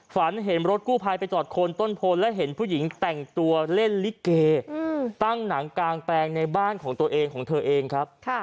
ฝันเห็นรถกู้ภัยไปจอดโคนต้นโพนแล้วเห็นผู้หญิงแต่งตัวเล่นลิเกตั้งหนังกางแปลงในบ้านของตัวเองของเธอเองครับ